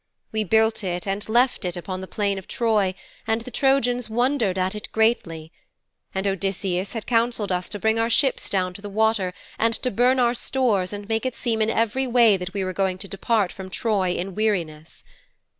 We built it and left it upon the plain of Troy and the Trojans wondered at it greatly. And Odysseus had counselled us to bring our ships down to the water and to burn our stores and make it seem in every way that we were going to depart from Troy in weariness.